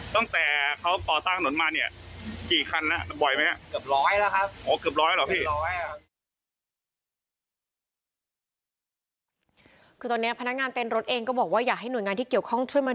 ตั้งแต่เขาต่อสร้างถนนมาเนี่ยสี่คันแล้วบ่อยไหมฮะเกือบร้อยแล้วครับ